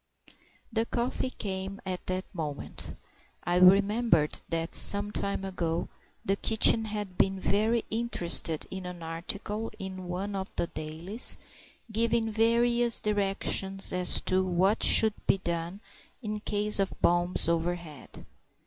The coffee came at that moment. I remembered that some time ago the kitchen had been very interested in an article in one of the dailies, giving various directions as to what should be done in the case of bombs overhead.